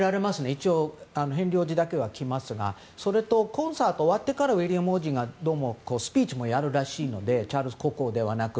一応ヘンリー王子だけは来ますがそれとコンサートが終わってからウィリアム王子がどうもスピーチもやるらしいのでチャールズ国王ではなく。